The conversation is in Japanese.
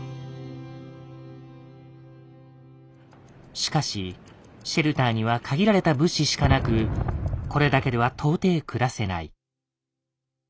しかしシェルターには限られた物資しかなくこれだけでは到底暮らせない。